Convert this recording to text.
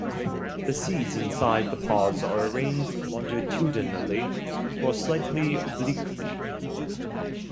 The seeds inside the pods are arranged longitudinally or slightly obliquely.